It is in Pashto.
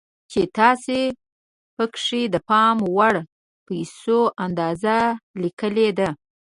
چې تاسې پکې د پام وړ پيسو اندازه ليکلې ده.